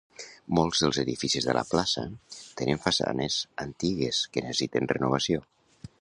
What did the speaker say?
Molts dels edificis de la plaça tenen façanes antigues que necessiten renovació.